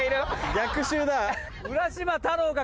逆襲だ。